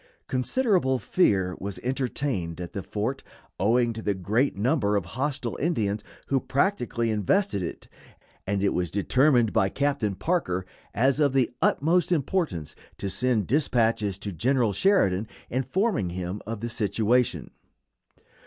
Considerable fear was entertained at the fort, owing to the great number of hostile Indians who practically invested it, and it was determined by Captain Parker as of the utmost importance to send dispatches to General Sheridan, informing him of the situation.